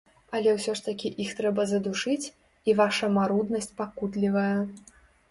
Але ўсё ж такі іх трэба задушыць, і ваша маруднасць пакутлівая.